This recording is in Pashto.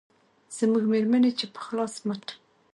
زموږ مېرمنې چې په خلاص مټ